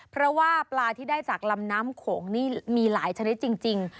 เพราะว่าปลาที่ได้จากลำน้ำโขงนี่มีหลายชนิดจริง